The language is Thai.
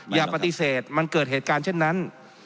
อย่าปฏิเสธมันเกิดเหตุการณ์เช่นนั้น